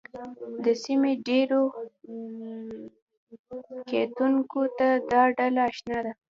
د سیمې ډېرو کتونکو ته دا ډله اشنا ده